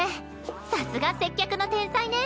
さすが接客の天才ね。